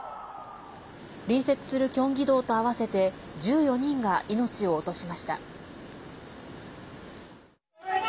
隣接するキョンギ道と合わせて１４人が命を落としました。